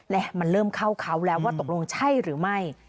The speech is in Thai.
และมันเริ่มเข้าเขาแล้วว่าตกลงใช่หรือไม่